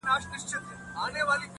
خبره بهاند صاحب یاده کړې